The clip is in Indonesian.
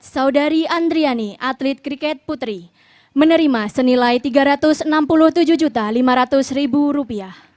saudari andriani atlet kriket putri menerima senilai rp tiga ratus enam puluh tujuh lima ratus